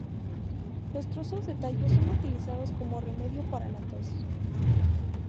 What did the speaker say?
Los trozos de tallo son utilizados como remedio para la tos.